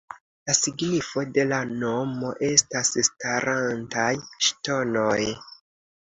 La signifo de la nomo estas ""starantaj ŝtonoj"".